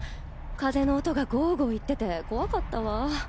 風の音がゴウゴウいってて怖かったわ。